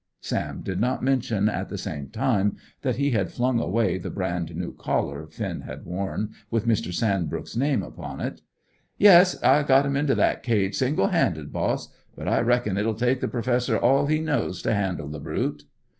Sam did not mention at the same time that he had flung away the brand new collar Finn had worn, with Mr. Sandbrook's name upon it. "Yes, I got him into that cage single handed, boss; but I reckon it'll take the Professor all he knows to handle the brute."